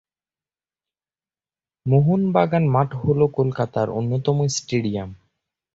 মোহনবাগান মাঠ হল কলকাতার অন্যতম স্টেডিয়াম।